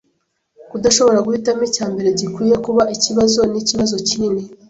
Kudashobora guhitamo icyambere gikwiye kuba ikibazo nikibazo kinini.